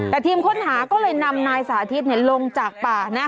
แต่ทีมค้นหาก็เลยนำนายสาธิตลงจากป่านะ